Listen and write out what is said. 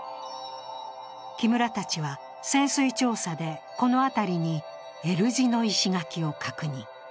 木村たちは潜水調査はこの辺りにＬ字の石垣を確認。